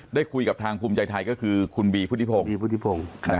ได้คุยกับทางภูมิใจไทยก็คือคุณบีบุถิพงค์